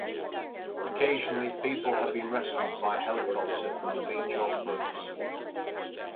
Occasionally people have been rescued by helicopter from the beach or cliffs.